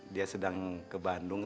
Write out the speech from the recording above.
dia sedang ke bandung